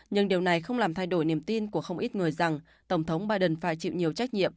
nhưng điều này không làm thay đổi niềm tin của không ít người rằng tổng thống biden phải chịu nhiều trách nhiệm